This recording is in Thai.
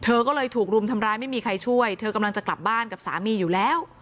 เธอก็เลยถูกรุมทำร้ายไม่มีใครช่วยเธอกำลังจะกลับบ้านกับสามีอยู่แล้ว